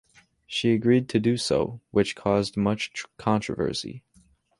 She agreed to do so, which caused much controversy.